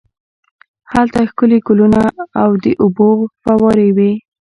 هلته ښکلي ګلونه او د اوبو فوارې وې.